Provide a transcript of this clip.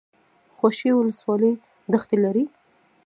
خوشي ولسوالۍ دښتې لري؟